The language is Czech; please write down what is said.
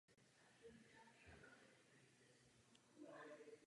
Mariana žije klidně po jeho boku a vede domácnost.